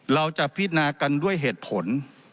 เราจะพินากันด้วยเหตุผล